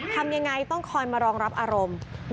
ทำยังไงต้องคอยมารองรับอารมณ์